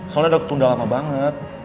soalnya udah ketunda lama banget